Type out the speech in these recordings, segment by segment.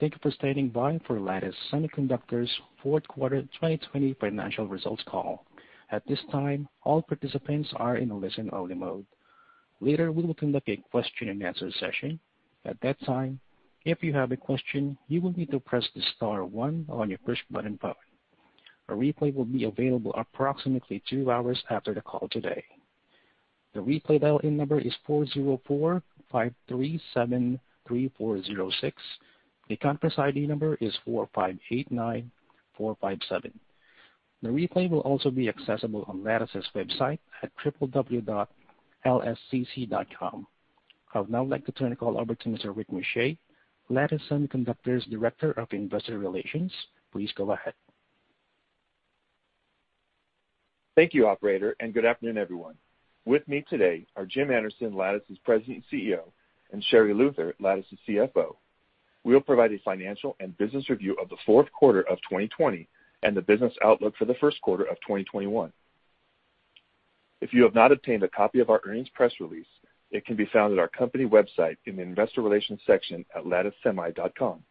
Thank you for standing by for Lattice Semiconductor's fourth quarter 2020 financial results call. At this time, all participants are in a listen-only mode. Later, we will conduct a question-and-answer session. At that time, if you have a question, you will need to press star one on your push button phone. A replay will be available approximately two hours after the call today. The replay dial-in number is 404-537-3406. The conference ID number is 4,589,457. The replay will also be accessible on Lattice's website at www.lscc.com. I would now like to turn the call over to Mr. Rick Muscha, Lattice Semiconductor's Director of Investor Relations. Please go ahead. Thank you, operator, and good afternoon, everyone. With me today are Jim Anderson, Lattice's President and CEO, and Sherri Luther, Lattice's CFO. We'll provide a financial and business review of the fourth quarter of 2020 and the business outlook for the first quarter of 2021. If you have not obtained a copy of our earnings press release, it can be found at our company website in the investor relations section at latticesemi.com.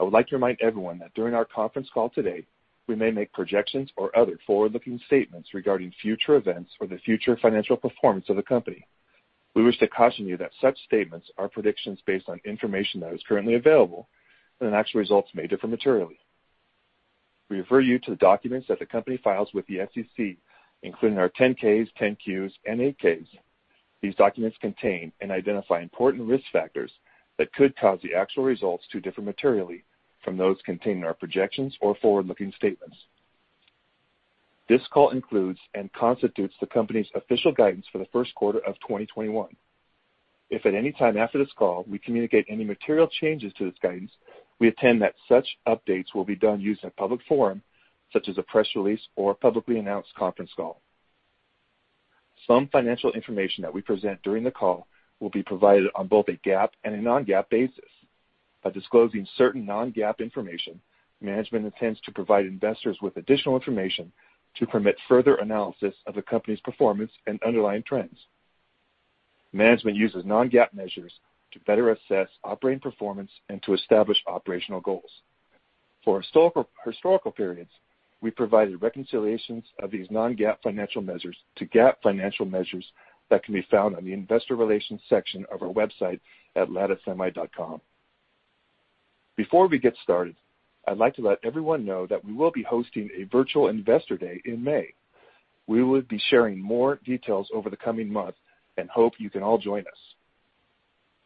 I would like to remind everyone that during our conference call today, we may make projections or other forward-looking statements regarding future events or the future financial performance of the company. We wish to caution you that such statements are predictions based on information that is currently available, and that actual results may differ materially. We refer you to the documents that the company files with the SEC, including our 10-Ks, 10-Qs, and 8-Ks. These documents contain and identify important risk factors that could cause the actual results to differ materially from those contained in our projections or forward-looking statements. This call includes and constitutes the company's official guidance for the first quarter of 2021. If at any time after this call we communicate any material changes to this guidance, we intend that such updates will be done using a public forum, such as a press release or a publicly announced conference call. Some financial information that we present during the call will be provided on both a GAAP and a non-GAAP basis. By disclosing certain non-GAAP information, management intends to provide investors with additional information to permit further analysis of the company's performance and underlying trends. Management uses non-GAAP measures to better assess operating performance and to establish operational goals. For historical periods, we provided reconciliations of these non-GAAP financial measures to GAAP financial measures that can be found on the investor relations section of our website at latticesemi.com. Before we get started, I'd like to let everyone know that we will be hosting a virtual Investor Day in May. We will be sharing more details over the coming months and hope you can all join us.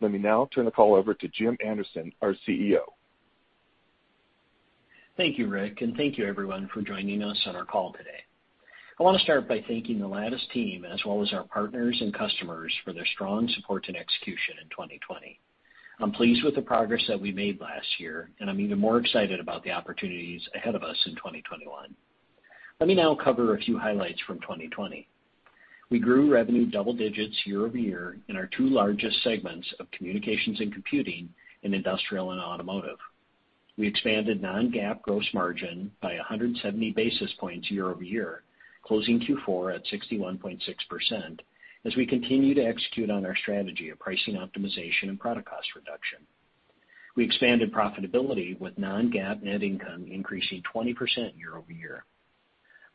Let me now turn the call over to Jim Anderson, our CEO. Thank you, Rick, and thank you everyone for joining us on our call today. I want to start by thanking the Lattice team, as well as our partners and customers, for their strong support and execution in 2020. I'm pleased with the progress that we made last year, and I'm even more excited about the opportunities ahead of us in 2021. Let me now cover a few highlights from 2020. We grew revenue double digits year-over-year in our two largest segments of Communications and Computing and Industrial and Automotive. We expanded non-GAAP gross margin by 170 basis points year-over-year, closing Q4 at 61.6% as we continue to execute on our strategy of pricing optimization and product cost reduction. We expanded profitability with non-GAAP net income increasing 20% year-over-year.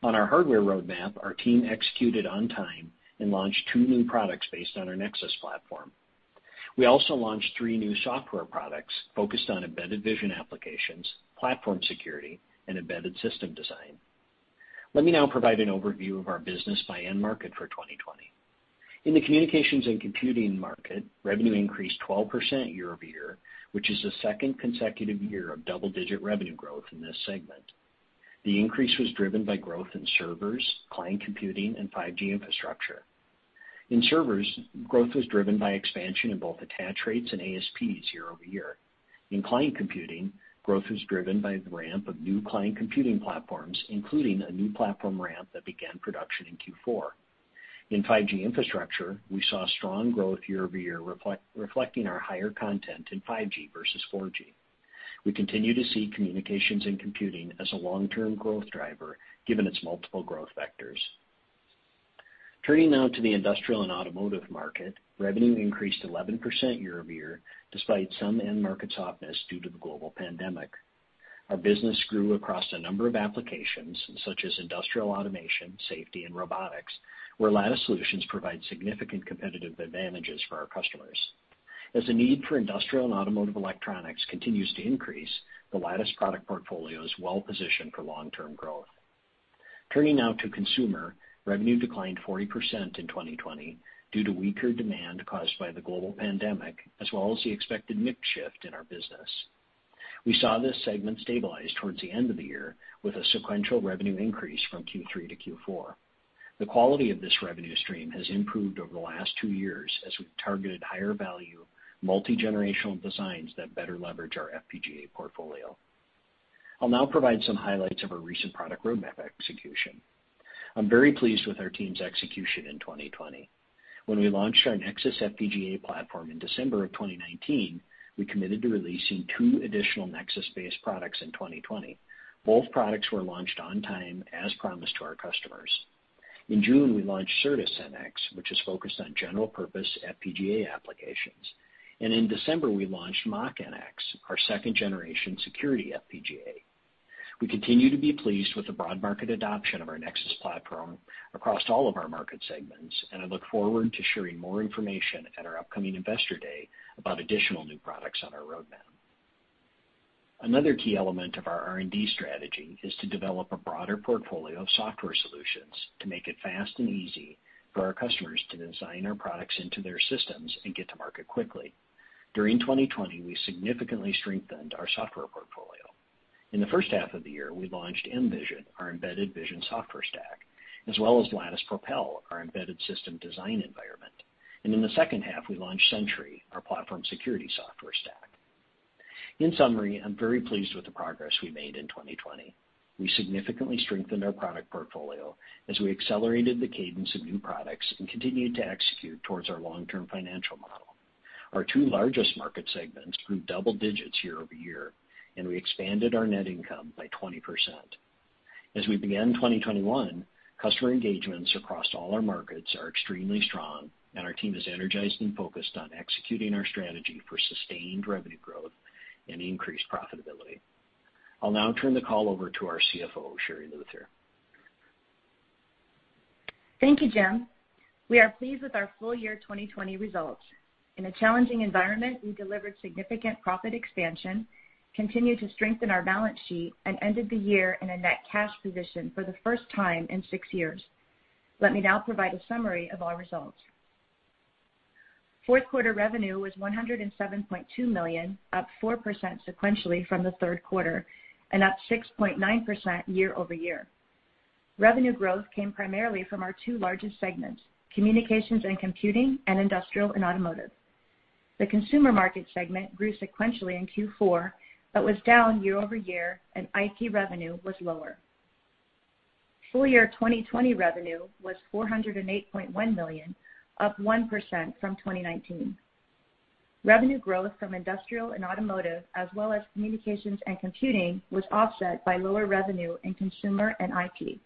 On our hardware roadmap, our team executed on time and launched two new products based on our Nexus platform. We also launched three new software products focused on embedded vision applications, platform security, and embedded system design. Let me now provide an overview of our business by end market for 2020. In the communications and computing market, revenue increased 12% year-over-year, which is the second consecutive year of double-digit revenue growth in this segment. The increase was driven by growth in servers, client computing, and 5G infrastructure. In servers, growth was driven by expansion in both attach rates and ASPs year-over-year. In client computing, growth was driven by the ramp of new client computing platforms, including a new platform ramp that began production in Q4. In 5G infrastructure, we saw strong growth year-over-year, reflecting our higher content in 5G versus 4G. We continue to see communications and computing as a long-term growth driver, given its multiple growth vectors. Turning now to the Industrial and Automotive market, revenue increased 11% year-over-year, despite some end market softness due to the global pandemic. Our business grew across a number of applications, such as Industrial automation, safety, and robotics, where Lattice solutions provide significant competitive advantages for our customers. As the need for Industrial and Automotive electronics continues to increase, the Lattice product portfolio is well positioned for long-term growth. Turning now to consumer, revenue declined 40% in 2020 due to weaker demand caused by the global pandemic, as well as the expected mix shift in our business. We saw this segment stabilize towards the end of the year with a sequential revenue increase from Q3 to Q4. The quality of this revenue stream has improved over the last two years as we've targeted higher value, multi-generational designs that better leverage our FPGA portfolio. I'll now provide some highlights of our recent product roadmap execution. I'm very pleased with our team's execution in 2020. When we launched our Nexus FPGA platform in December of 2019, we committed to releasing two additional Nexus-based products in 2020. Both products were launched on time, as promised to our customers. In June, we launched Certus-NX, which is focused on general purpose FPGA applications. In December, we launched Mach-NX, our second-generation security FPGA. We continue to be pleased with the broad market adoption of our Nexus platform across all of our market segments, I look forward to sharing more information at our upcoming Investor Day about additional new products on our roadmap. Another key element of our R&D strategy is to develop a broader portfolio of software solutions to make it fast and easy for our customers to design our products into their systems and get to market quickly. During 2020, we significantly strengthened our software portfolio. In the first half of the year, we launched mVision, our embedded vision software stack, as well as Lattice Propel, our embedded system design environment. In the second half, we launched Sentry, our platform security software stack. In summary, I'm very pleased with the progress we made in 2020. We significantly strengthened our product portfolio as we accelerated the cadence of new products and continued to execute towards our long-term financial model. Our two largest market segments grew double digits year-over-year, and we expanded our net income by 20%. As we began 2021, customer engagements across all our markets are extremely strong, and our team is energized and focused on executing our strategy for sustained revenue growth and increased profitability. I'll now turn the call over to our CFO, Sherri Luther. Thank you, Jim. We are pleased with our full year 2020 results. In a challenging environment, we delivered significant profit expansion, continued to strengthen our balance sheet, and ended the year in a net cash position for the first time in six years. Let me now provide a summary of our results. Fourth quarter revenue was $107.2 million, up 4% sequentially from the third quarter and up 6.9% year-over-year. Revenue growth came primarily from our two largest segments, Communications and Computing and Industrial and Automotive. The consumer market segment grew sequentially in Q4 but was down year-over-year, and IP revenue was lower. Full year 2020 revenue was $408.1 million, up 1% from 2019. Revenue growth from Industrial and Automotive, as well as Communications and Computing, was offset by lower revenue in consumer and IP.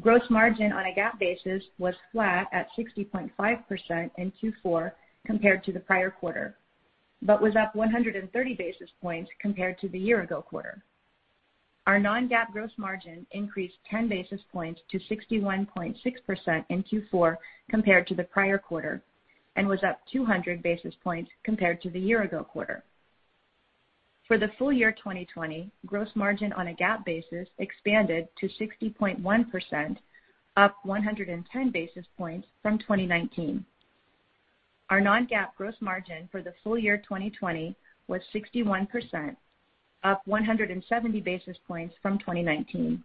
Gross margin on a GAAP basis was flat at 60.5% in Q4 compared to the prior quarter, but was up 130 basis points compared to the year-ago quarter. Our non-GAAP gross margin increased 10 basis points to 61.6% in Q4 compared to the prior quarter and was up 200 basis points compared to the year-ago quarter. For the full year 2020, gross margin on a GAAP basis expanded to 60.1%, up 110 basis points from 2019. Our non-GAAP gross margin for the full year 2020 was 61%, up 170 basis points from 2019.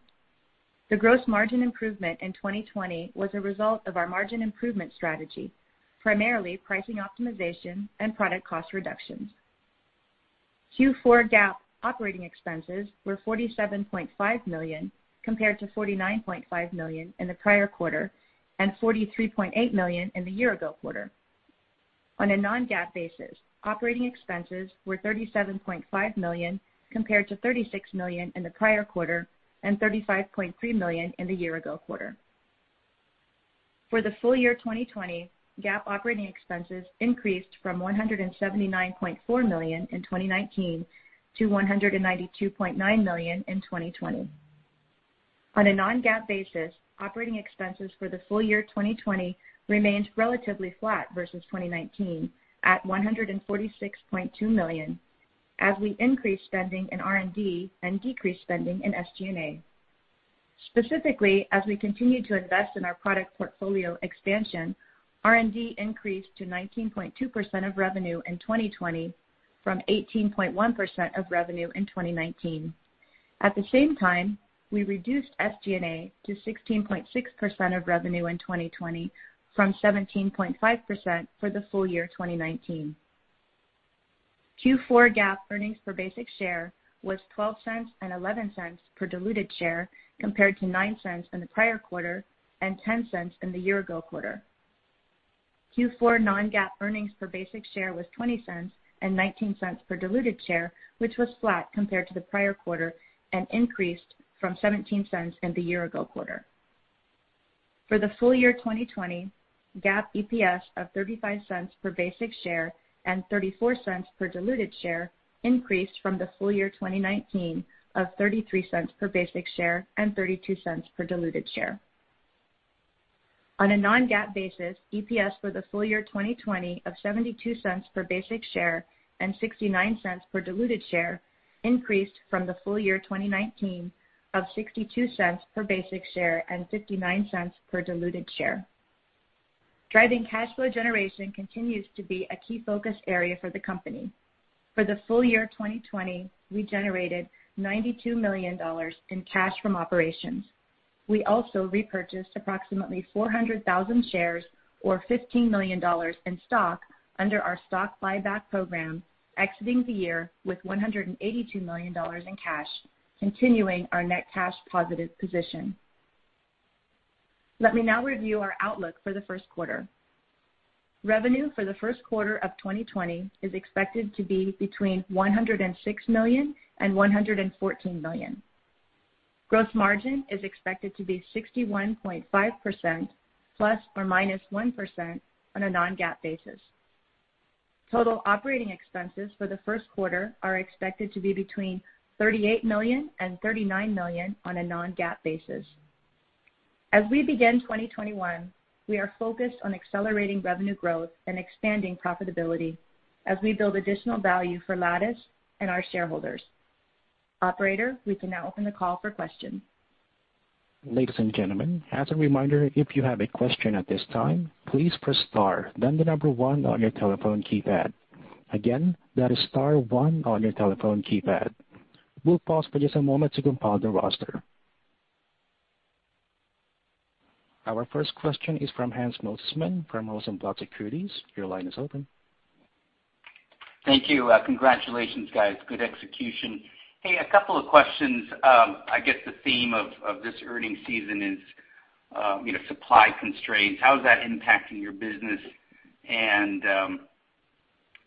The gross margin improvement in 2020 was a result of our margin improvement strategy, primarily pricing optimization and product cost reductions. Q4 GAAP operating expenses were $47.5 million, compared to $49.5 million in the prior quarter and $43.8 million in the year-ago quarter. On a non-GAAP basis, operating expenses were $37.5 million, compared to $36 million in the prior quarter and $35.3 million in the year-ago quarter. For the full year 2020, GAAP operating expenses increased from $179.4 million in 2019 to $192.9 million in 2020. On a non-GAAP basis, operating expenses for the full year 2020 remained relatively flat versus 2019 at $146.2 million, as we increased spending in R&D and decreased spending in SG&A. Specifically, as we continue to invest in our product portfolio expansion, R&D increased to 19.2% of revenue in 2020 from 18.1% of revenue in 2019. At the same time, we reduced SG&A to 16.6% of revenue in 2020 from 17.5% for the full year 2019. Q4 GAAP earnings per basic share was $0.12 and $0.11 per diluted share compared to $0.09 in the prior quarter and $0.10 in the year-ago quarter. Q4 non-GAAP earnings per basic share was $0.20 and $0.19 per diluted share, which was flat compared to the prior quarter and increased from $0.17 in the year-ago quarter. For the full year 2020, GAAP EPS of $0.35 per basic share and $0.34 per diluted share increased from the full year 2019 of $0.33 per basic share and $0.32 per diluted share. On a non-GAAP basis, EPS for the full year 2020 of $0.72 per basic share and $0.69 per diluted share increased from the full year 2019 of $0.62 per basic share and $0.59 per diluted share. Driving cash flow generation continues to be a key focus area for the company. For the full year 2020, we generated $92 million in cash from operations. We also repurchased approximately 400,000 shares or $15 million in stock under our stock buyback program, exiting the year with $182 million in cash, continuing our net cash positive position. Let me now review our outlook for the first quarter. Revenue for the first quarter of 2020 is expected to be between $106 million and $114 million. Gross margin is expected to be 61.5% ±1% on a non-GAAP basis. Total operating expenses for the first quarter are expected to be between $38 million and $39 million on a non-GAAP basis. As we begin 2021, we are focused on accelerating revenue growth and expanding profitability as we build additional value for Lattice and our shareholders. Operator, we can now open the call for questions. Ladies and gentlemen, as a reminder, if you have a question at this time, please press star, then the number one on your telephone keypad. Again, that is star one on your telephone keypad. We will pause for just a moment to compile the roster. Our first question is from Hans Mosesmann from Rosenblatt Securities. Your line is open. Thank you. Congratulations, guys. Good execution. Hey, a couple of questions. I guess the theme of this earnings season is supply constraints. How is that impacting your business? I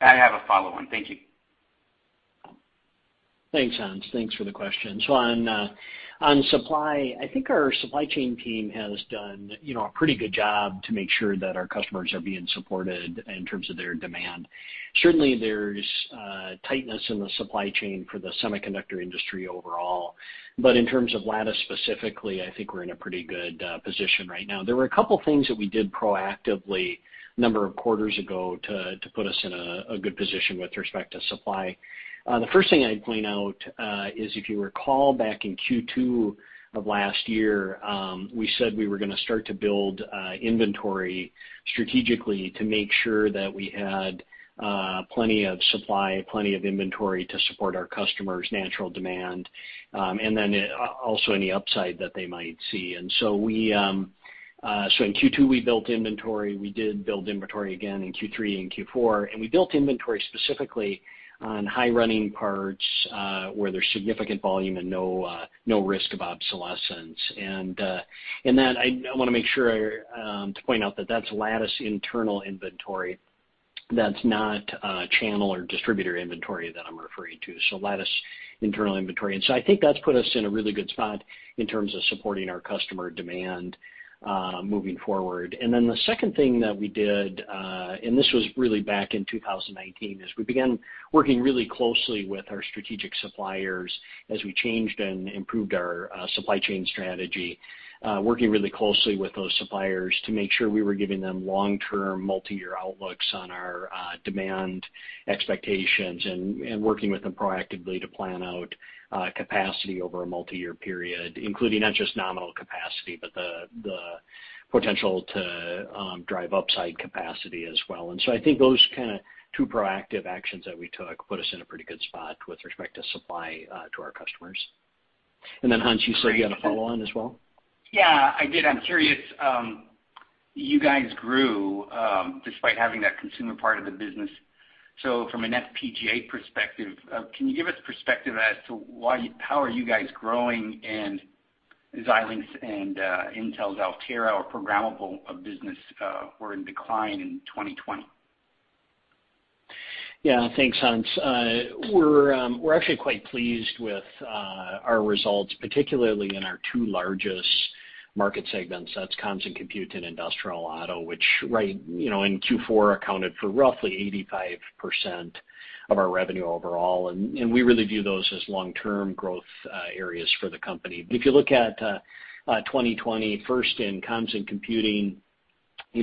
have a follow-on. Thank you. Thanks, Hans. Thanks for the question. On supply, I think our supply chain team has done a pretty good job to make sure that our customers are being supported in terms of their demand. Certainly, there's tightness in the supply chain for the semiconductor industry overall. In terms of Lattice specifically, I think we're in a pretty good position right now. There were a couple things that we did proactively a number of quarters ago to put us in a good position with respect to supply. The first thing I'd point out is, if you recall back in Q2 of last year, we said we were going to start to build inventory strategically to make sure that we had plenty of supply, plenty of inventory to support our customers' natural demand, and then also any upside that they might see. In Q2, we built inventory. We did build inventory again in Q3 and Q4, and we built inventory specifically on high-running parts, where there's significant volume and no risk of obsolescence. I want to make sure to point out that that's Lattice internal inventory. That's not a channel or distributor inventory that I'm referring to, so Lattice internal inventory. I think that's put us in a really good spot in terms of supporting our customer demand moving forward. The second thing that we did, and this was really back in 2019, is we began working really closely with our strategic suppliers as we changed and improved our supply chain strategy. Working really closely with those suppliers to make sure we were giving them long-term multi-year outlooks on our demand expectations and working with them proactively to plan out capacity over a multi-year period, including not just nominal capacity, but the potential to drive upside capacity as well. I think those kind of two proactive actions that we took put us in a pretty good spot with respect to supply to our customers. Hans, you said you had a follow-on as well? Yeah, I did. I'm curious. You guys grew despite having that consumer part of the business. From an FPGA perspective, can you give us perspective as to how are you guys growing and Xilinx and Intel's Altera or programmable business were in decline in 2020? Yeah. Thanks, Hans. We're actually quite pleased with our results, particularly in our two largest market segments. That's Comms and Compute and Industrial, Auto, which in Q4 accounted for roughly 85% of our revenue overall. We really view those as long-term growth areas for the company. If you look at 2020, first in comms and computing,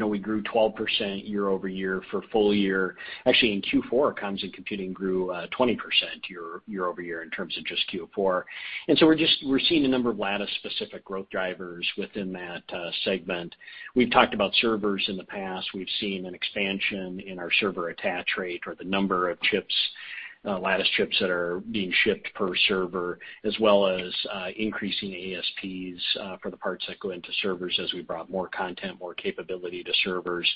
we grew 12% year-over-year for full year. Actually, in Q4, comms and computing grew 20% year-over-year in terms of just Q4. We're seeing a number of Lattice-specific growth drivers within that segment. We've talked about servers in the past. We've seen an expansion in our server attach rate or the number of Lattice chips that are being shipped per server, as well as increasing ASPs for the parts that go into servers as we brought more content, more capability to servers.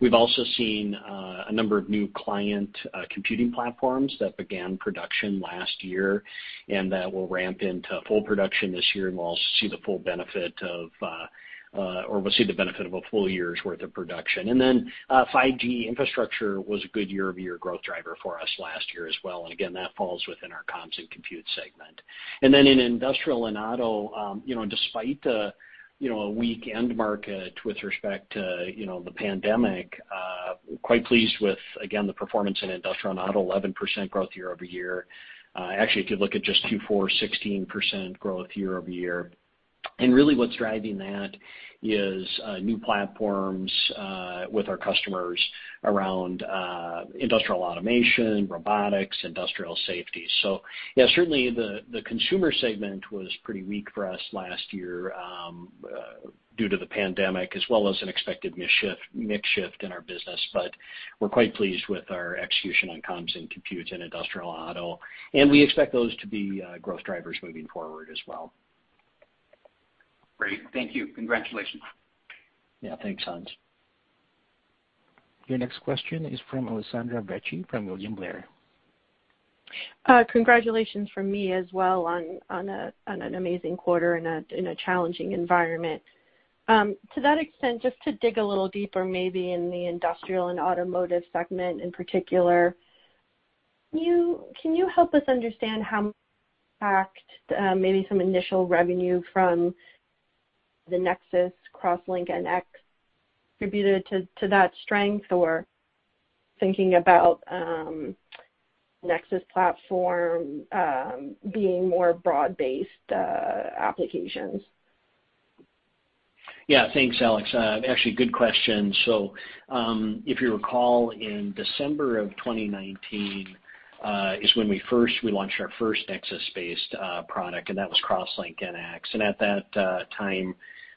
We've also seen a number of new client computing platforms that began production last year and that will ramp into full production this year, and we'll see the benefit of a full year's worth of production. 5G infrastructure was a good year-over-year growth driver for us last year as well. Again, that falls within our Comms and Compute segment. In Industrial and Auto, despite a weak end market with respect to the pandemic, quite pleased with, again, the performance in Industrial and Auto, 11% growth year-over-year. Actually, if you look at just Q4, 16% growth year-over-year. Really what's driving that is new platforms with our customers around industrial automation, robotics, industrial safety. Yeah, certainly the consumer segment was pretty weak for us last year due to the pandemic as well as an expected mix shift in our business. We're quite pleased with our execution on Comms and Compute and Industrial Auto, and we expect those to be growth drivers moving forward as well. Great. Thank you. Congratulations. Yeah. Thanks, Hans. Your next question is from Alessandra Vecchi from William Blair. Congratulations from me as well on an amazing quarter in a challenging environment. To that extent, just to dig a little deeper maybe in the Industrial and Automotive segment in particular, can you help us understand how much impact maybe some initial revenue from the Nexus CrossLink-NX contributed to that strength, or thinking about Nexus platform being more broad-based applications? Thanks, Alessandra. Actually, good question. If you recall, in December of 2019 is when we launched our first Nexus-based product, and that was CrossLink-NX. At that time,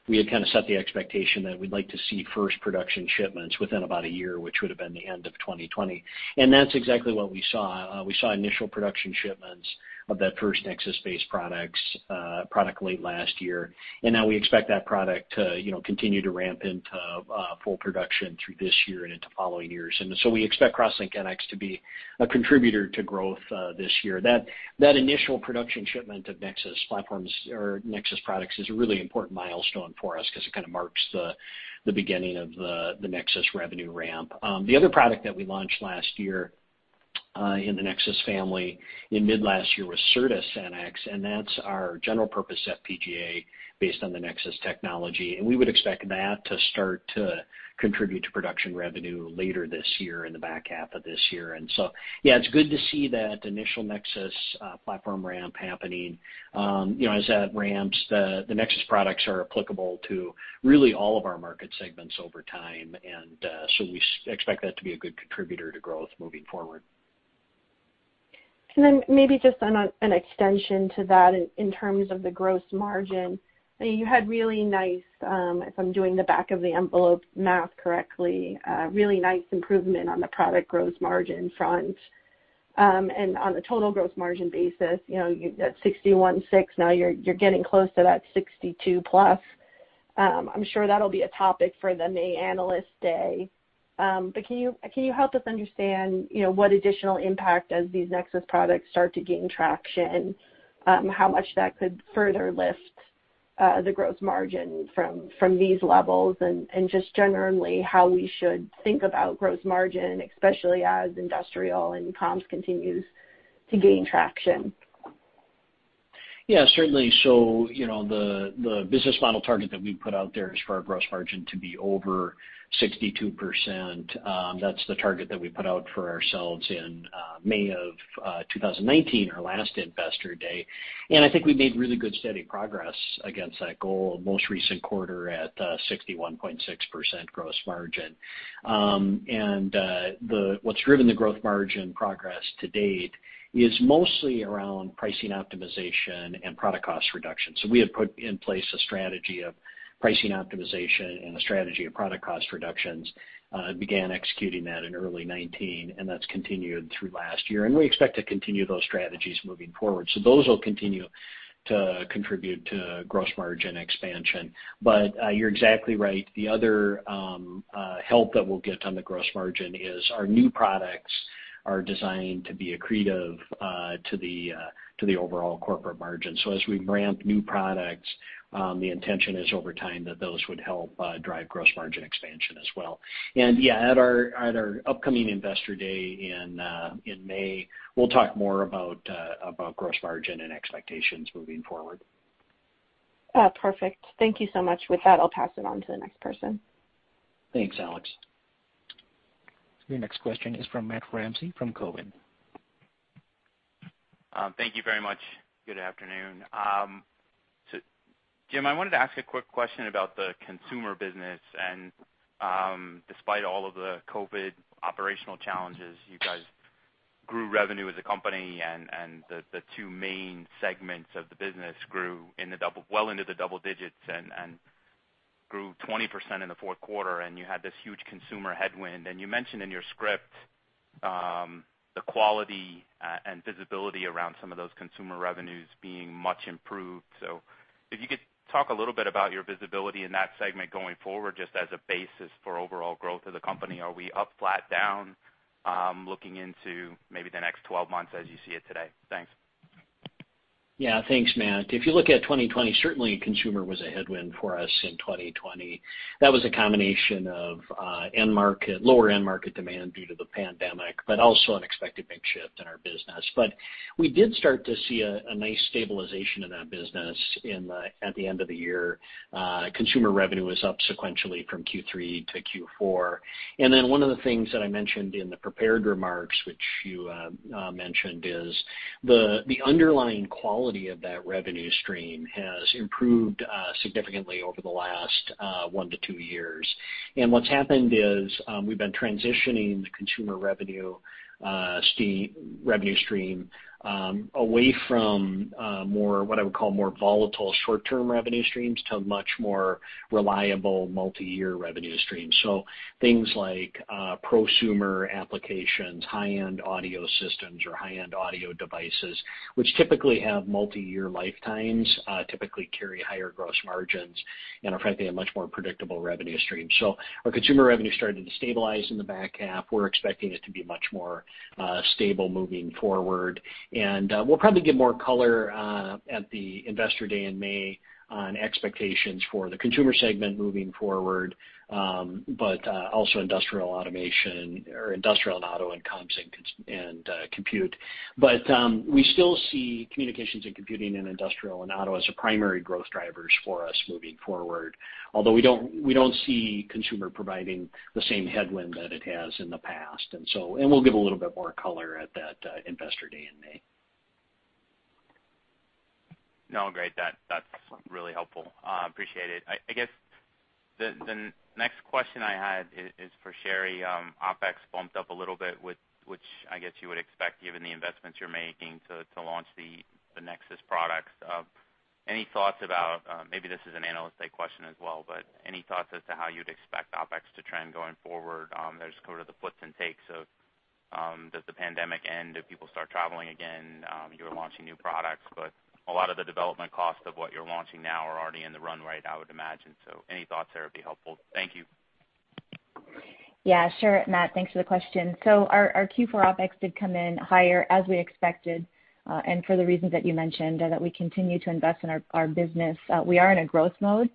we had set the expectation that we'd like to see first production shipments within about one year, which would've been the end of 2020. That's exactly what we saw. We saw initial production shipments of that first Nexus-based product late last year. Now we expect that product to continue to ramp into full production through this year and into following years. We expect CrossLink-NX to be a contributor to growth this year. That initial production shipment of Nexus platforms or Nexus products is a really important milestone for us because it kind of marks the beginning of the Nexus revenue ramp. The other product that we launched last year in the Nexus family in mid last year was Certus-NX, and that's our general purpose FPGA based on the Nexus technology. We would expect that to start to contribute to production revenue later this year, in the back half of this year. Yeah, it's good to see that initial Nexus platform ramp happening. As that ramps, the Nexus products are applicable to really all of our market segments over time. We expect that to be a good contributor to growth moving forward. Maybe just an extension to that in terms of the gross margin. You had really nice, if I'm doing the back of the envelope math correctly, really nice improvement on the product gross margin front. On the total gross margin basis, at 61.6%, now you're getting close to that 62% plus. I'm sure that'll be a topic for the May Analyst Day. Can you help us understand what additional impact as these Nexus products start to gain traction, how much that could further lift the gross margin from these levels and just generally how we should think about gross margin, especially as Industrial and Comms continues to gain traction? Yeah, certainly. The business model target that we put out there is for our gross margin to be over 62%. That's the target that we put out for ourselves in May of 2019, our last Investor Day. I think we've made really good, steady progress against that goal, most recent quarter at 61.6% gross margin. What's driven the gross margin progress to date is mostly around pricing optimization and product cost reduction. We had put in place a strategy of pricing optimization and a strategy of product cost reductions, began executing that in early 2019, that's continued through last year. We expect to continue those strategies moving forward. Those will continue to contribute to gross margin expansion. You're exactly right. The other help that we'll get on the gross margin is our new products are designed to be accretive to the overall corporate margin. As we ramp new products, the intention is over time that those would help drive gross margin expansion as well. At our upcoming Investor Day in May, we'll talk more about gross margin and expectations moving forward. Perfect. Thank you so much. With that, I'll pass it on to the next person. Thanks, Alessandra. Your next question is from Matt Ramsay from Cowen. Thank you very much. Good afternoon. Jim, I wanted to ask a quick question about the consumer business, and despite all of the COVID-19 operational challenges, you guys grew revenue as a company and the two main segments of the business grew well into the double digits and grew 20% in the fourth quarter. You had this huge consumer headwind, and you mentioned in your script the quality and visibility around some of those consumer revenues being much improved. If you could talk a little bit about your visibility in that segment going forward, just as a basis for overall growth of the company. Are we up, flat, down, looking into maybe the next 12 months as you see it today? Thanks. Yeah. Thanks, Matt. If you look at 2020, certainly consumer was a headwind for us in 2020. That was a combination of lower end market demand due to the pandemic, but also an expected big shift in our business. We did start to see a nice stabilization in that business at the end of the year. Consumer revenue was up sequentially from Q3 to Q4. One of the things that I mentioned in the prepared remarks, which you mentioned, is the underlying quality of that revenue stream has improved significantly over the last one to two years. What's happened is we've been transitioning the consumer revenue stream away from what I would call more volatile short-term revenue streams to much more reliable multi-year revenue streams. Things like prosumer applications, high-end audio systems, or high-end audio devices, which typically have multi-year lifetimes, typically carry higher gross margins and are frankly a much more predictable revenue stream. Our consumer revenue started to stabilize in the back half. We're expecting it to be much more stable moving forward. We'll probably give more color at the Investor Day in May on expectations for the consumer segment moving forward. Also Industrial Automation or Industrial and Auto and Comms and Compute. We still see Communications and Computing and Industrial and Auto as the primary growth drivers for us moving forward. Although we don't see consumer providing the same headwind that it has in the past. We'll give a little bit more color at that Investor Day in May. No, great. That's really helpful. Appreciate it. I guess the next question I had is for Sherri. OpEx bumped up a little bit, which I guess you would expect given the investments you're making to launch the Nexus products. Maybe this is an Analyst Day question as well. Any thoughts as to how you'd expect OpEx to trend going forward? There's kind of the puts and takes of does the pandemic end, do people start traveling again? You're launching new products. A lot of the development costs of what you're launching now are already in the run rate, I would imagine. Any thoughts there would be helpful. Thank you. Yeah, sure, Matt. Thanks for the question. Our Q4 OpEx did come in higher as we expected. For the reasons that you mentioned, that we continue to invest in our business. We are in a growth mode,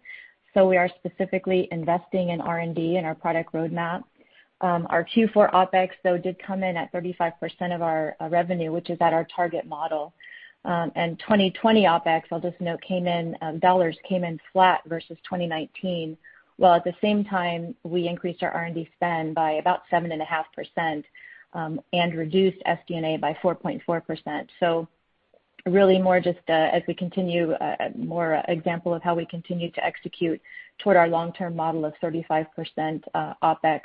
so we are specifically investing in R&D and our product roadmap. Our Q4 OpEx, though, did come in at 35% of our revenue, which is at our target model. 2020 OpEx, I'll just note, dollars came in flat versus 2019, while at the same time, we increased our R&D spend by about 7.5% and reduced SG&A by 4.4%. Really more just as we continue, more example of how we continue to execute toward our long-term model of 35% OpEx.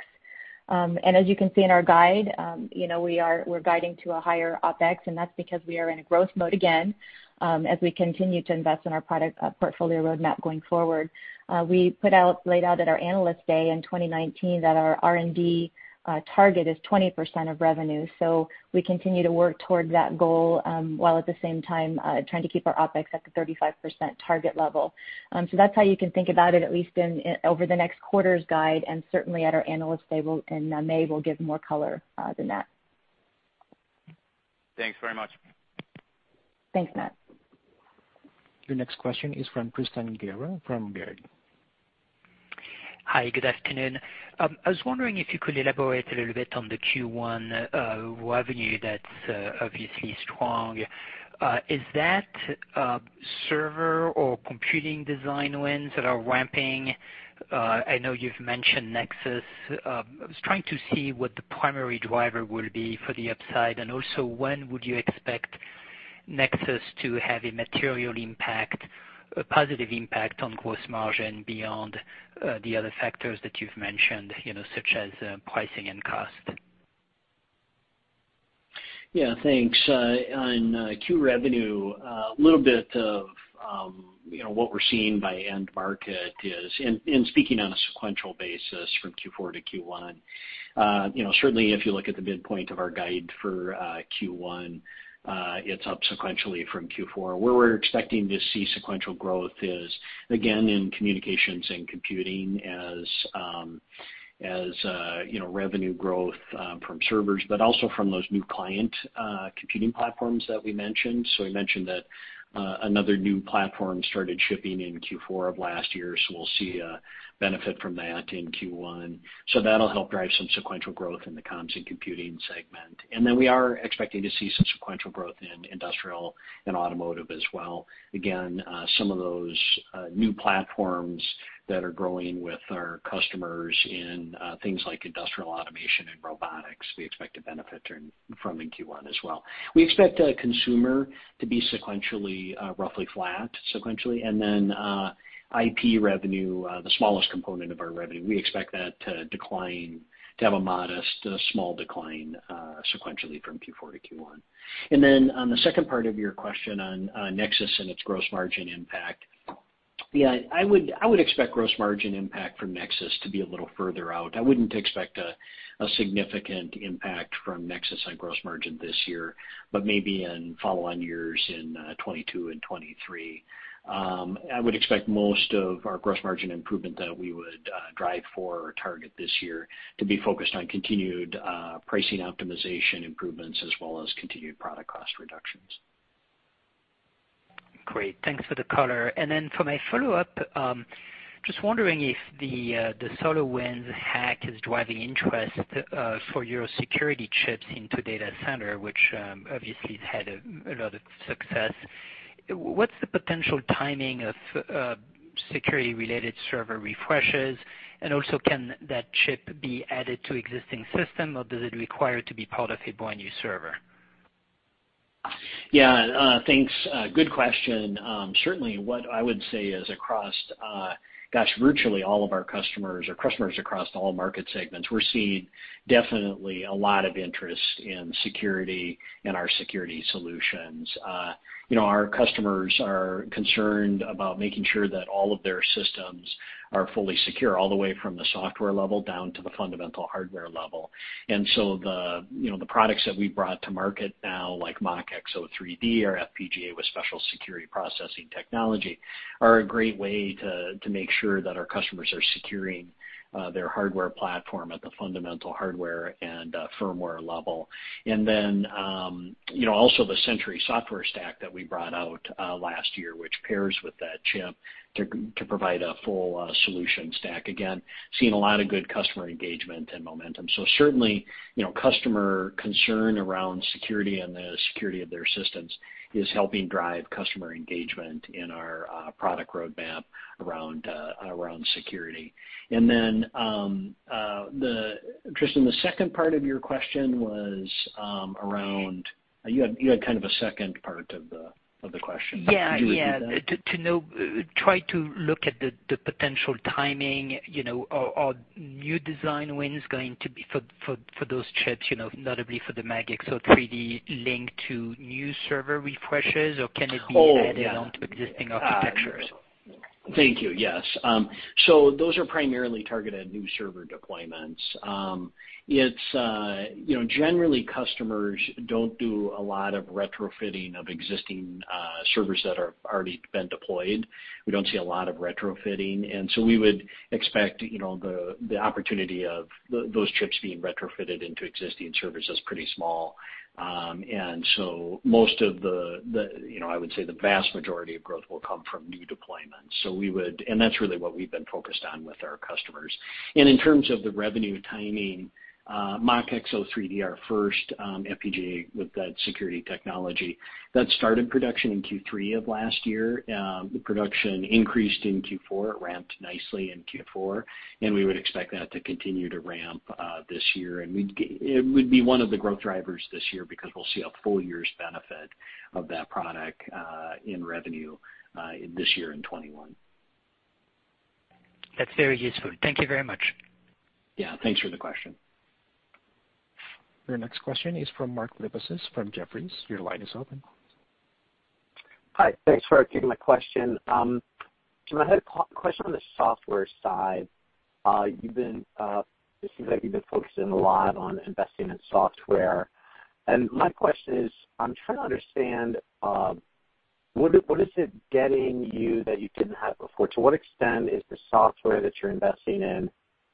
As you can see in our guide, we're guiding to a higher OpEx, and that's because we are in a growth mode again, as we continue to invest in our product portfolio roadmap going forward. We laid out at our Analyst Day in 2019 that our R&D target is 20% of revenue. We continue to work toward that goal, while at the same time trying to keep our OpEx at the 35% target level. That's how you can think about it, at least over the next quarter's guide and certainly at our Analyst Day in May, we'll give more color than that. Thanks very much. Thanks, Matt. Your next question is from Tristan Gerra from Baird. Hi, good afternoon. I was wondering if you could elaborate a little bit on the Q1 revenue that's obviously strong. Is that server or computing design wins that are ramping? I know you've mentioned Nexus. I was trying to see what the primary driver will be for the upside, and also, when would you expect Nexus to have a material impact, a positive impact on gross margin beyond the other factors that you've mentioned, such as pricing and cost? Yeah, thanks. On Q revenue, a little bit of what we're seeing by end market is, in speaking on a sequential basis from Q4 to Q1, certainly if you look at the midpoint of our guide for Q1, it's up sequentially from Q4. Where we're expecting to see sequential growth is, again, in communications and computing as revenue growth from servers, but also from those new client computing platforms that we mentioned. We mentioned that another new platform started shipping in Q4 of last year, so we'll see a benefit from that in Q1. That'll help drive some sequential growth in the comms and computing segment. We are expecting to see some sequential growth Industrial and Automotive as well. Some of those new platforms that are growing with our customers in things like Industrial automation and robotics, we expect to benefit from in Q1 as well. We expect consumer to be sequentially roughly flat sequentially. IP revenue, the smallest component of our revenue, we expect that to have a modest, small decline sequentially from Q4 to Q1. On the second part of your question on Nexus and its gross margin impact, yeah, I would expect gross margin impact from Nexus to be a little further out. I wouldn't expect a significant impact from Nexus on gross margin this year, but maybe in follow-on years in 2022 and 2023. I would expect most of our gross margin improvement that we would drive for our target this year to be focused on continued pricing optimization improvements as well as continued product cost reductions. Great. Thanks for the color. Then for my follow-up, just wondering if the SolarWinds hack is driving interest for your security chips into data center, which obviously has had a lot of success? What's the potential timing of security-related server refreshes? Also can that chip be added to existing system, or does it require to be part of a brand new server? Yeah. Thanks. Good question. Certainly what I would say is across, gosh, virtually all of our customers or customers across all market segments, we're seeing definitely a lot of interest in security and our security solutions. Our customers are concerned about making sure that all of their systems are fully secure, all the way from the software level down to the fundamental hardware level. The products that we brought to market now, like MachXO3D or FPGA with special security processing technology, are a great way to make sure that our customers are securing their hardware platform at the fundamental hardware and firmware level. Also the Sentry software stack that we brought out last year, which pairs with that chip to provide a full solution stack. Again, seeing a lot of good customer engagement and momentum. Certainly, customer concern around security and the security of their systems is helping drive customer engagement in our product roadmap around security. Then, Tristan, the second part of your question was around. You had kind of a second part of the question. Would you repeat that? Try to look at the potential timing. Are new design wins going to be for those chips, notably for the MachXO3D linked to new server refreshes, or can it be added onto existing architectures? Thank you. Yes. Those are primarily targeted new server deployments. Generally, customers don't do a lot of retrofitting of existing servers that have already been deployed. We don't see a lot of retrofitting, we would expect the opportunity of those chips being retrofitted into existing servers as pretty small. I would say the vast majority of growth will come from new deployments. That's really what we've been focused on with our customers. In terms of the revenue timing, MachXO3D, our first FPGA with that security technology, that started production in Q3 of last year. The production increased in Q4. It ramped nicely in Q4, and we would expect that to continue to ramp this year. It would be one of the growth drivers this year because we'll see a full year's benefit of that product in revenue this year in 2021. That's very useful. Thank you very much. Yeah. Thanks for the question. Your next question is from Mark Lipacis from Jefferies. Your line is open. Hi. Thanks for taking my question. I had a question on the software side. It seems like you've been focusing a lot on investing in software, and my question is, I'm trying to understand what is it getting you that you didn't have before? To what extent is the software that you're investing in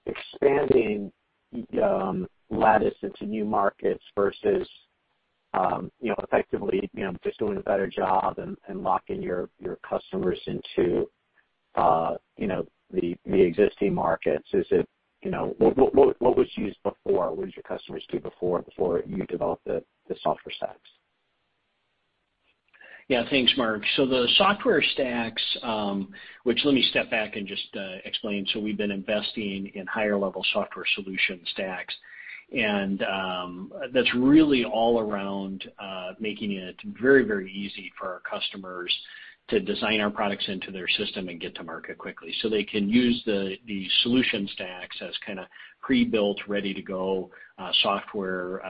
expanding Lattice into new markets versus effectively just doing a better job and locking your customers into the existing markets? What was used before? What did your customers do before you developed the software stacks? Yeah. Thanks, Mark. The software stacks, which let me step back and just explain. We've been investing in higher-level software solution stacks, and that's really all around making it very easy for our customers to design our products into their system and get to market quickly. They can use the solution stacks as kind of pre-built, ready-to-go software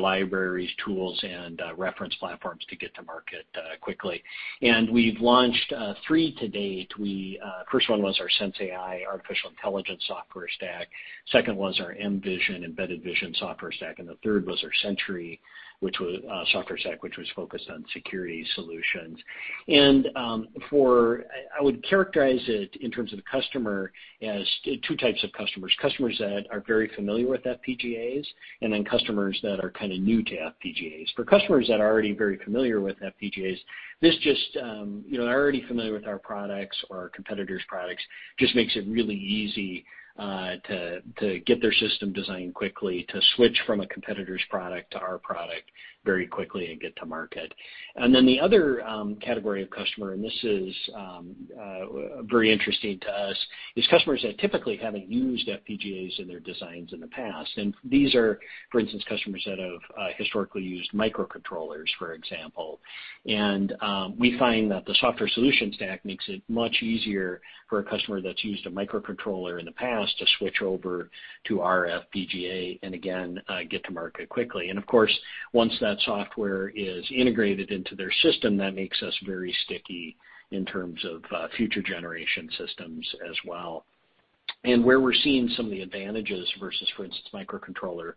libraries, tools, and reference platforms to get to market quickly. We've launched three to date. First one was our sensAI artificial intelligence software stack, second was our mVision embedded vision software stack, and the third was our Sentry software stack, which was focused on security solutions. I would characterize it in terms of customer as two types of customers that are very familiar with FPGAs and then customers that are kind of new to FPGAs. For customers that are already very familiar with FPGAs, they're already familiar with our products or our competitors' products. It makes it really easy to get their system designed quickly, to switch from a competitor's product to our product very quickly and get to market. The other category of customer, and this is very interesting to us, is customers that typically haven't used FPGAs in their designs in the past. These are, For instance, customers that have historically used microcontrollers, for example. We find that the software solution stack makes it much easier for a customer that's used a microcontroller in the past to switch over to our FPGA and again, get to market quickly. Of course, once that software is integrated into their system, that makes us very sticky in terms of future generation systems as well. Where we're seeing some of the advantages versus, for instance, microcontroller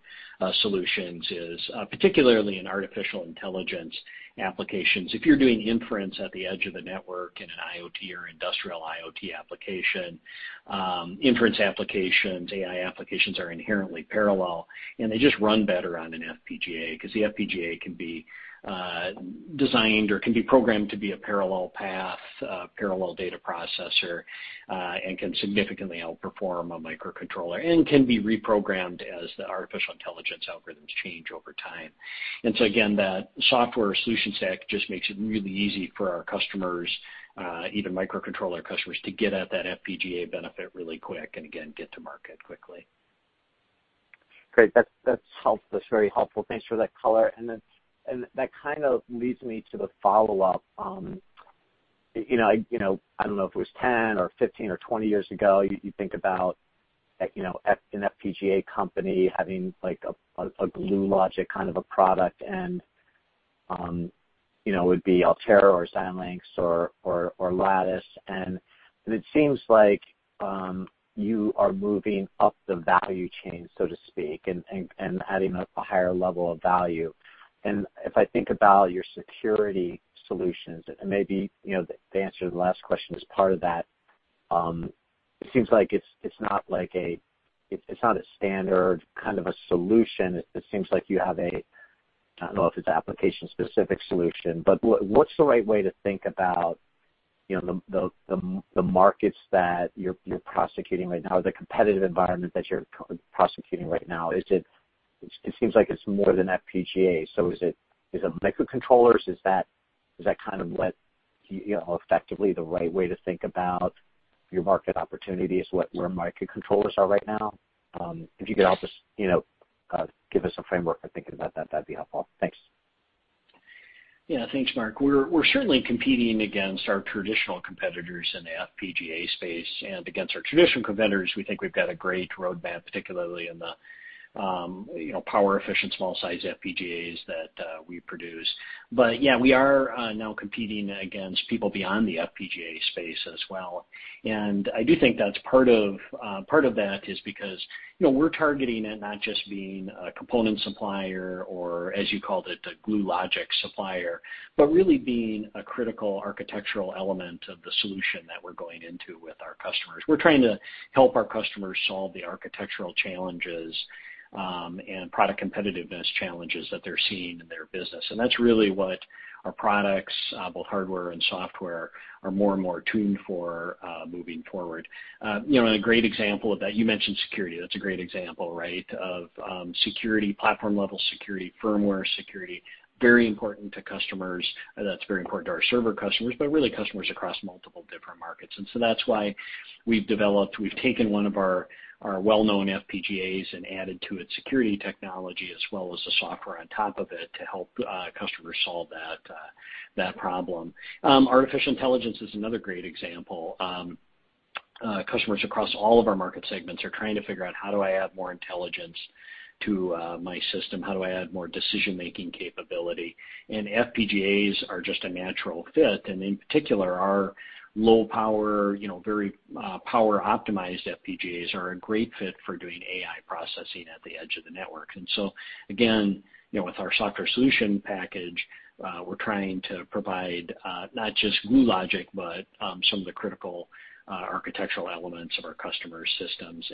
solutions is particularly in artificial intelligence applications. If you're doing inference at the edge of a network in an IoT or Industrial IoT application, inference applications, AI applications are inherently parallel, and they just run better on an FPGA because the FPGA can be designed or can be programmed to be a parallel path, parallel data processor, and can significantly outperform a microcontroller, and can be reprogrammed as the artificial intelligence algorithms change over time. So again, that software solution stack just makes it really easy for our customers, even microcontroller customers, to get at that FPGA benefit really quick, and again, get to market quickly. Great. That's very helpful. Thanks for that color. That kind of leads me to the follow-up. I don't know if it was 10 or 15 or 20 years ago, you think about an FPGA company having a glue logic kind of a product, and it would be Altera or Xilinx or Lattice. It seems like you are moving up the value chain, so to speak, and adding a higher level of value. If I think about your security solutions, and maybe the answer to the last question is part of that, it seems like it's not a standard kind of a solution. It seems like you have a, I don't know if it's application-specific solution, but what's the right way to think about the markets that you're prosecuting right now or the competitive environment that you're prosecuting right now? It seems like it's more than FPGA. Is it microcontrollers? Is that kind of effectively the right way to think about your market opportunities, where microcontrollers are right now? If you could help us, give us a framework for thinking about that'd be helpful. Thanks. Thanks, Mark. We're certainly competing against our traditional competitors in the FPGA space and against our traditional competitors we think we've got a great roadmap, particularly in the power efficient small size FPGAs that we produce. We are now competing against people beyond the FPGA space as well. I do think part of that is because we're targeting it not just being a component supplier or, as you called it, a glue logic supplier, but really being a critical architectural element of the solution that we're going into with our customers. We're trying to help our customers solve the architectural challenges and product competitiveness challenges that they're seeing in their business. That's really what our products, both hardware and software, are more and more tuned for moving forward. A great example of that, you mentioned security. That's a great example of security, platform-level security, firmware security, very important to customers. That's very important to our server customers, but really customers across multiple different markets. That's why we've developed, we've taken one of our well-known FPGAs and added to it security technology as well as the software on top of it to help customers solve that problem. Artificial intelligence is another great example. Customers across all of our market segments are trying to figure out, how do I add more intelligence to my system? How do I add more decision-making capability? FPGAs are just a natural fit, and in particular, our low power, very power-optimized FPGAs are a great fit for doing AI processing at the edge of the network. Again, with our software solution package, we're trying to provide not just glue logic, but some of the critical architectural elements of our customers' systems.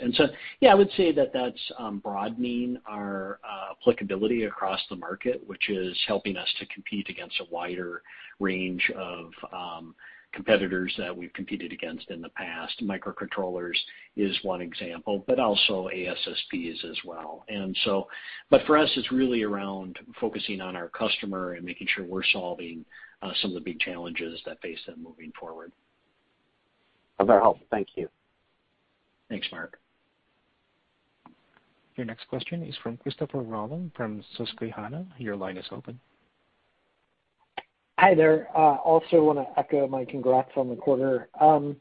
I would say that that's broadening our applicability across the market, which is helping us to compete against a wider range of competitors that we've competed against in the past. Microcontrollers is one example, but also ASSPs as well. For us, it's really around focusing on our customer and making sure we're solving some of the big challenges that face them moving forward. That's very helpful. Thank you. Thanks, Mark. Your next question is from Christopher Rolland from Susquehanna. Your line is open. Hi there. I also want to echo my congrats on the quarter. In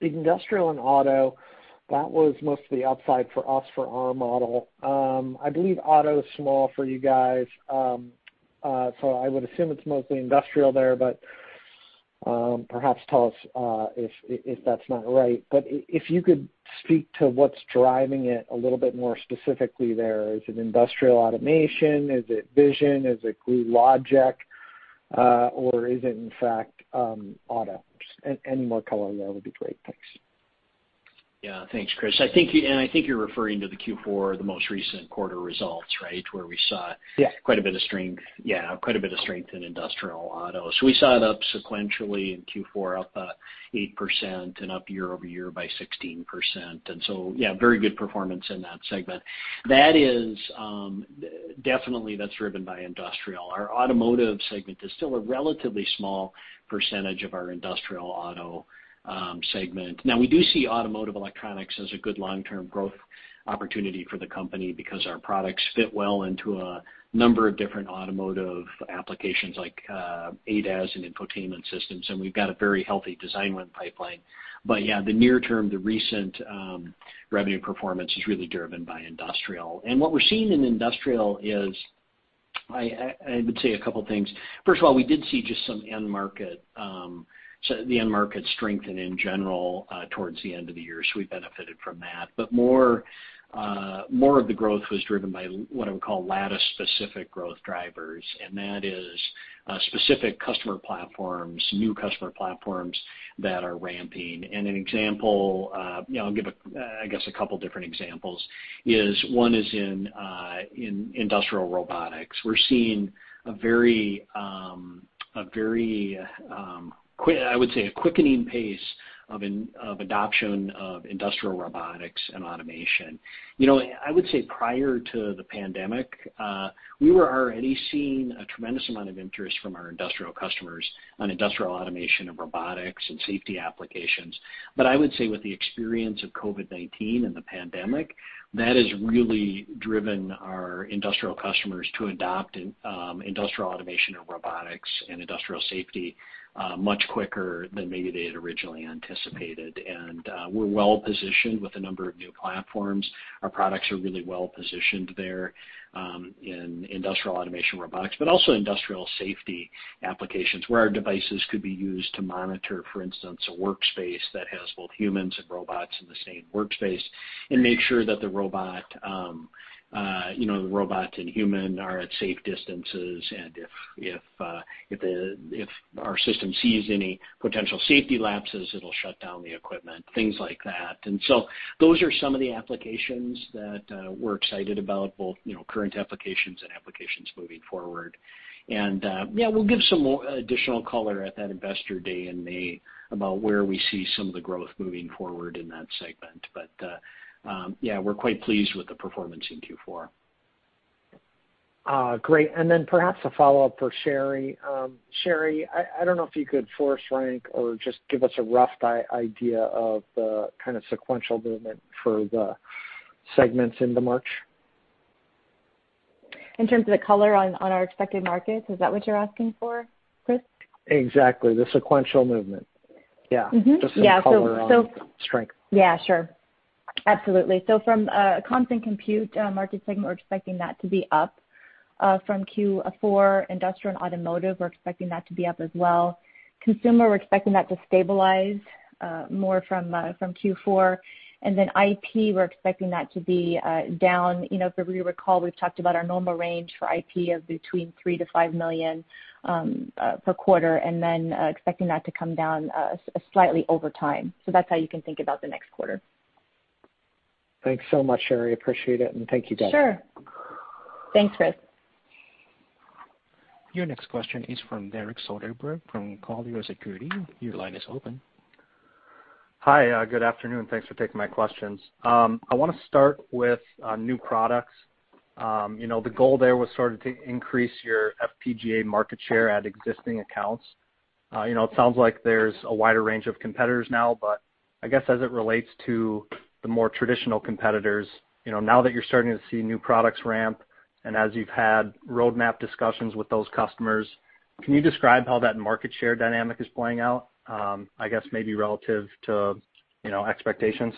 Industrial and Auto, that was mostly upside for us for our model. I believe auto is small for you guys, so I would assume it's mostly Industrial there, but perhaps tell us if that's not right. If you could speak to what's driving it a little bit more specifically there. Is it Industrial Automation? Is it vision? Is it glue logic? Or is it in fact auto? Any more color there would be great. Thanks. Yeah. Thanks, Chris. I think you're referring to the Q4, the most recent quarter results, right? Yeah quite a bit of strength in Industrial Auto. We saw it up sequentially in Q4, up 8% and up year-over-year by 16%. Yeah, very good performance in that segment. That is definitely driven by Industrial. Our Automotive segment is still a relatively small percentage of our Industrial, Auto segment. Now, we do see automotive electronics as a good long-term growth opportunity for the company because our products fit well into a number of different automotive applications like ADAS and infotainment systems, and we've got a very healthy design win pipeline. Yeah, the near-term, the recent revenue performance is really driven by Industrial. What we're seeing in Industrial is, I would say a couple of things. First of all, we did see just the end market strengthen in general towards the end of the year, so we benefited from that. More of the growth was driven by what I would call Lattice-specific growth drivers, and that is specific customer platforms, new customer platforms that are ramping. An example, I'll give, I guess, a couple different examples is, one is in Industrial robotics. We're seeing, I would say, a quickening pace of adoption of Industrial robotics and automation. I would say prior to the pandemic, we were already seeing a tremendous amount of interest from our Industrial customers on Industrial automation of robotics and safety applications. I would say with the experience of COVID-19 and the pandemic, that has really driven our Industrial customers to adopt Industrial automation and robotics and Industrial safety much quicker than maybe they had originally anticipated. We're well-positioned with a number of new platforms. Our products are really well-positioned there in Industrial Automation Robotics, but also Industrial Safety applications where our devices could be used to monitor, for instance, a workspace that has both humans and robots in the same workspace and make sure that the robot and human are at safe distances. If our system sees any potential safety lapses, it'll shut down the equipment, things like that. Those are some of the applications that we're excited about, both current applications and applications moving forward. Yeah, we'll give some additional color at that investor day in May about where we see some of the growth moving forward in that segment. Yeah, we're quite pleased with the performance in Q4. Great. Perhaps a follow-up for Sherri. Sherri, I don't know if you could force rank or just give us a rough idea of the kind of sequential movement for the segments into March. In terms of the color on our expected markets, is that what you're asking for, Chris? Exactly. The sequential movement. Yeah. Mm-hmm. Yeah. Just some color on strength. Yeah, sure. Absolutely. From a comms and compute market segment, we're expecting that to be up from Q4. Industrial and automotive, we're expecting that to be up as well. Consumer, we're expecting that to stabilize more from Q4. IP, we're expecting that to be down. If you recall, we've talked about our normal range for IP of between $3 million-$5 million per quarter, expecting that to come down slightly over time. That's how you can think about the next quarter. Thanks so much, Sherri. Appreciate it, and thank you, though. Sure. Thanks, Chris. Your next question is from Derek Soderberg from Colliers Securit. Your line is open. Hi, good afternoon. Thanks for taking my questions. I want to start with new products. The goal there was sort of to increase your FPGA market share at existing accounts. It sounds like there's a wider range of competitors now, but I guess as it relates to the more traditional competitors, now that you're starting to see new products ramp and as you've had roadmap discussions with those customers, can you describe how that market share dynamic is playing out? I guess maybe relative to expectations.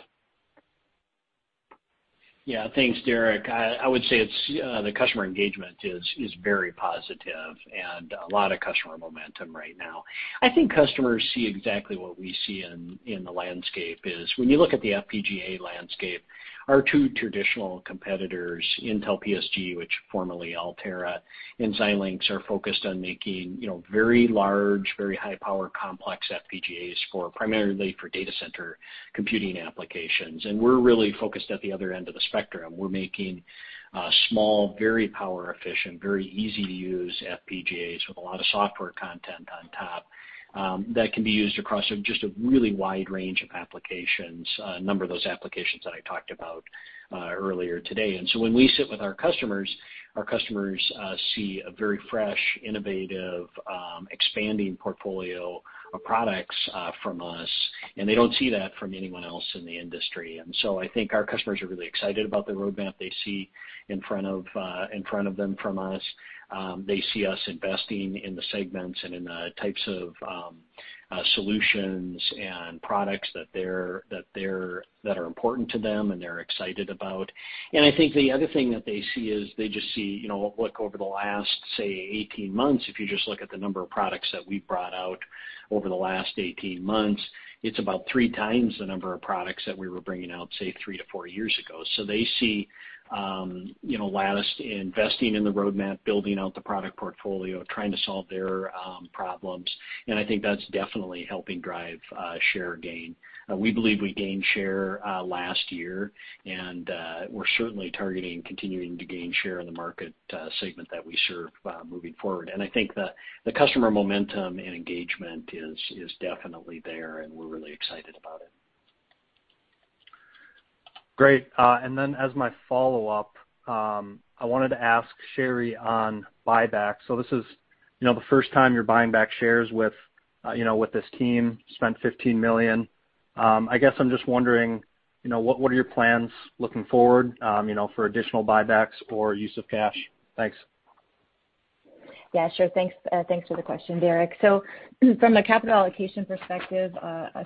Yeah. Thanks, Derek. I would say the customer engagement is very positive and a lot of customer momentum right now. I think customers see exactly what we see in the landscape is when you look at the FPGA landscape, our two traditional competitors, Intel PSG, which formerly Altera, and Xilinx, are focused on making very large, very high-power complex FPGAs primarily for data center computing applications. We're really focused at the other end of the spectrum. We're making small, very power efficient, very easy-to-use FPGAs with a lot of software content on top that can be used across just a really wide range of applications. A number of those applications that I talked about earlier today. When we sit with our customers, our customers see a very fresh, innovative, expanding portfolio of products from us, and they don't see that from anyone else in the industry. I think our customers are really excited about the roadmap they see in front of them from us. They see us investing in the segments and in the types of solutions and products that are important to them and they're excited about. I think the other thing that they see is they just see, look over the last, say, 18 months, if you just look at the number of products that we've brought out over the last 18 months, it's about three times the number of products that we were bringing out, say, three to four years ago. They see Lattice investing in the roadmap, building out the product portfolio, trying to solve their problems, and I think that's definitely helping drive share gain. We believe we gained share last year, we're certainly targeting continuing to gain share in the market segment that we serve moving forward. I think the customer momentum and engagement is definitely there, we're really excited about it. Great. As my follow-up, I wanted to ask Sherri on buybacks. This is the first time you're buying back shares with this team, spent $15 million. I guess I'm just wondering, what are your plans looking forward for additional buybacks or use of cash? Thanks. Sure. Thanks for the question, Derek. From a capital allocation perspective,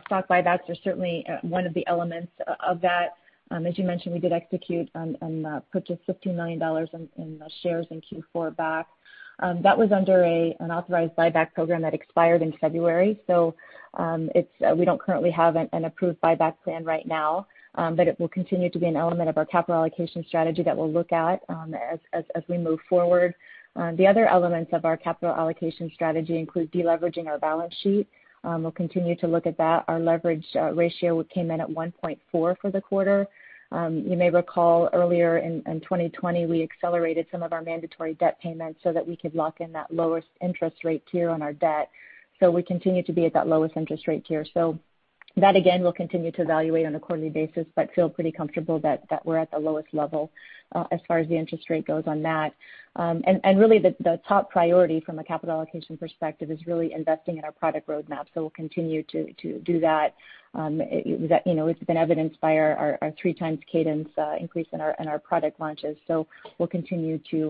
stock buybacks are certainly one of the elements of that. As you mentioned, we did execute on purchased $15 million in shares in Q4 back. That was under an authorized buyback program that expired in February. We don't currently have an approved buyback plan right now, but it will continue to be an element of our capital allocation strategy that we'll look at as we move forward. The other elements of our capital allocation strategy include de-leveraging our balance sheet. We'll continue to look at that. Our leverage ratio came in at 1.4 for the quarter. You may recall earlier in 2020, we accelerated some of our mandatory debt payments so that we could lock in that lowest interest rate tier on our debt. We continue to be at that lowest interest rate tier. That, again, we'll continue to evaluate on a quarterly basis, but feel pretty comfortable that we're at the lowest level as far as the interest rate goes on that. Really the top priority from a capital allocation perspective is really investing in our product roadmap. We'll continue to do that. It's been evidenced by our three times cadence increase in our product launches. We'll continue to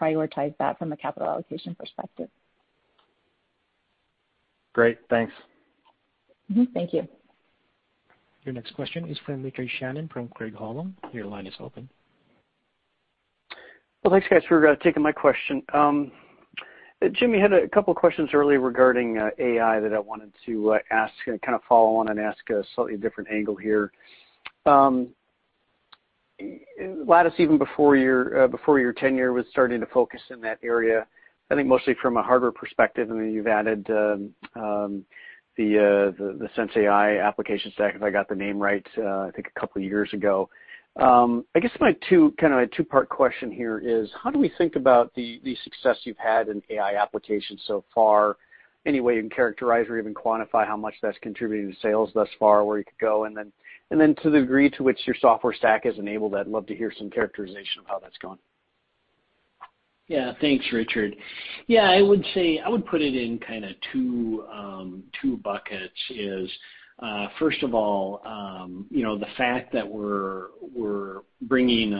prioritize that from a capital allocation perspective. Great, thanks. Mm-hmm. Thank you. Your next question is from Richard Shannon from Craig-Hallum. Your line is open. Thanks, guys, for taking my question. Jim, you had a couple questions earlier regarding AI that I wanted to ask and kind of follow on and ask a slightly different angle here. Lattice, even before your tenure, was starting to focus in that area, I think mostly from a hardware perspective, and then you've added the sensAI application stack, if I got the name right, I think a couple of years ago. I guess my two-part question here is: how do we think about the success you've had in AI applications so far? Any way you can characterize or even quantify how much that's contributing to sales thus far, where you could go? To the degree to which your software stack has enabled that, I'd love to hear some characterization of how that's going. Yeah. Thanks, Richard. I would put it in two buckets is, first of all the fact that we're bringing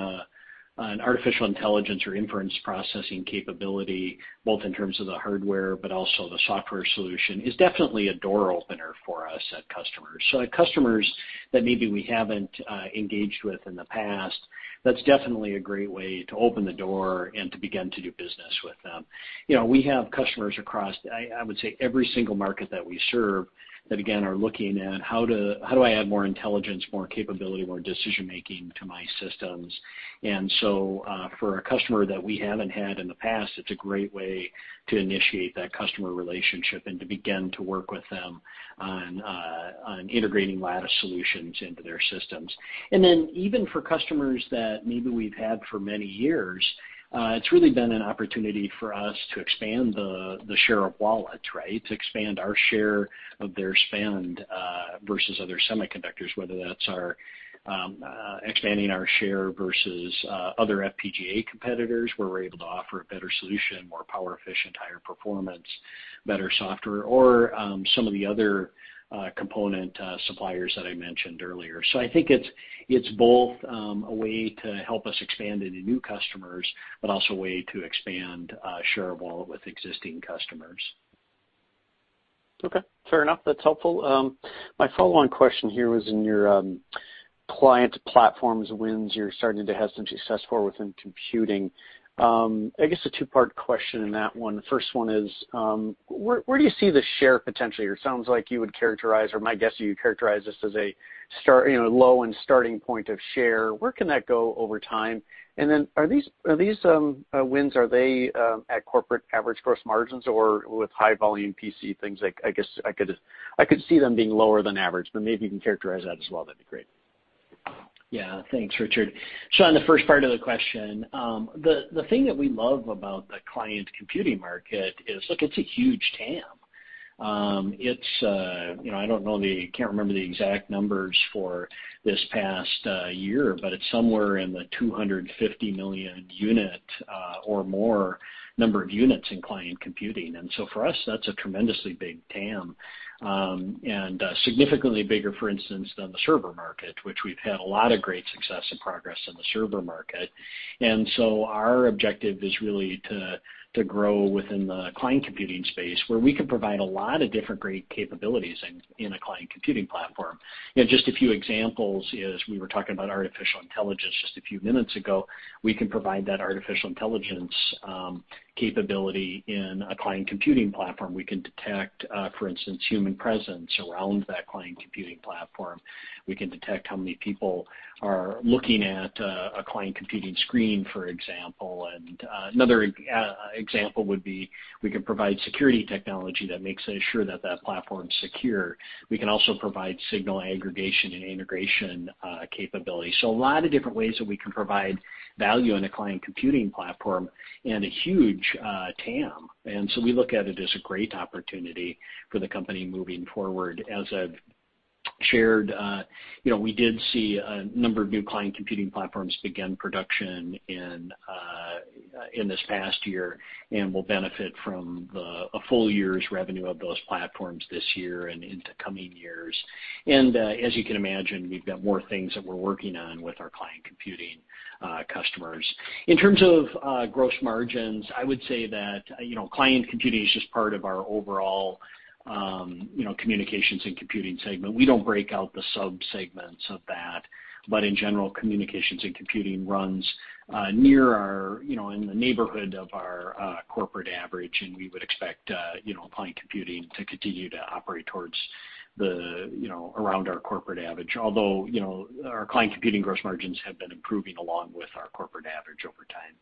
an artificial intelligence or inference processing capability, both in terms of the hardware, but also the software solution, is definitely a door opener for us at customers. Customers that maybe we haven't engaged with in the past, that's definitely a great way to open the door and to begin to do business with them. We have customers across, I would say, every single market that we serve that, again, are looking at how do I add more intelligence, more capability, more decision-making to my systems. For a customer that we haven't had in the past, it's a great way to initiate that customer relationship and to begin to work with them on integrating Lattice solutions into their systems. Even for customers that maybe we've had for many years, it's really been an opportunity for us to expand the share of wallet, to expand our share of their spend, versus other semiconductors, whether that's expanding our share versus other FPGA competitors, where we're able to offer a better solution, more power efficient, higher performance, better software, or some of the other component suppliers that I mentioned earlier. I think it's both a way to help us expand into new customers, but also a way to expand share of wallet with existing customers. Okay. Fair enough. That's helpful. My follow-on question here was in your client platforms wins, you're starting to have some success for within computing. I guess a two-part question in that one. The first one is, where do you see the share potentially? It sounds like you would characterize, or my guess, you would characterize this as a low and starting point of share. Where can that go over time? Are these wins, are they at corporate average gross margins or with high volume PC things like, I guess I could see them being lower than average, but maybe you can characterize that as well. That'd be great. Yeah. Thanks, Richard Shannon, the first part of the question, the thing that we love about the client computing market is, look, it's a huge TAM. I don't know, I can't remember the exact numbers for this past year, but it's somewhere in the 250 million units or more number of units in client computing. For us, that's a tremendously big TAM, and significantly bigger, for instance, than the server market, which we've had a lot of great success and progress in the server market. Our objective is really to grow within the client computing space where we can provide a lot of different great capabilities in a client computing platform. Just a few examples is we were talking about artificial intelligence just a few minutes ago. We can provide that artificial intelligence capability in a client computing platform. We can detect, for instance, human presence around that client computing platform. We can detect how many people are looking at a client computing screen, for example. Another example would be we can provide security technology that makes sure that platform's secure. We can also provide signal aggregation and integration capability. A lot of different ways that we can provide value in a client computing platform and a huge TAM. We look at it as a great opportunity for the company moving forward. As I've shared, we did see a number of new client computing platforms begin production in this past year, and we'll benefit from a full year's revenue of those platforms this year and into coming years. As you can imagine, we've got more things that we're working on with our client computing customers. In terms of gross margins, I would say that client computing is just part of our overall Communications and Computing segment. We don't break out the sub-segments of that. In general, Communications and Computing runs in the neighborhood of our corporate average, and we would expect client computing to continue to operate towards around our corporate average. Our client computing gross margins have been improving along with our corporate average over time.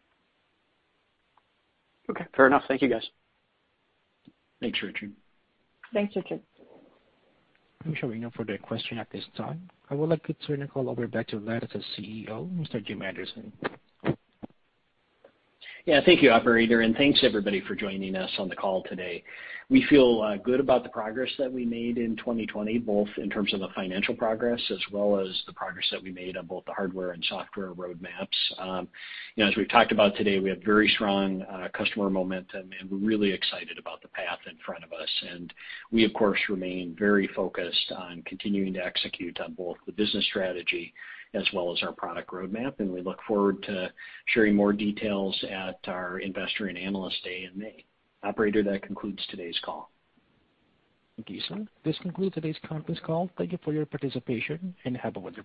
Okay, fair enough. Thank you, guys. Thanks, Richard. Thanks, Richard. I'm showing no further question at this time. I would like to turn the call over back to Lattice CEO, Mr. Jim Anderson. Yeah. Thank you operator, and thanks everybody for joining us on the call today. We feel good about the progress that we made in 2020, both in terms of the financial progress as well as the progress that we made on both the hardware and software roadmaps. As we've talked about today, we have very strong customer momentum, and we're really excited about the path in front of us. We of course remain very focused on continuing to execute on both the business strategy as well as our product roadmap, and we look forward to sharing more details at our Investor and Analyst day in May. Operator, that concludes today's call. Thank you, sir. This concludes today's conference call. Thank you for your participation, and have a wonderful day.